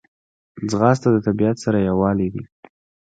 ځغاسته د طبیعت سره یووالی دی